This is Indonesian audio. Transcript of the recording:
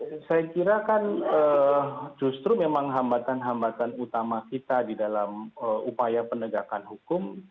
ya saya kira kan justru memang hambatan hambatan utama kita di dalam upaya penegakan hukum